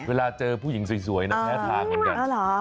เวลาเจอผู้หญิงสวยแพ้ทางกันกันอ่อหรอ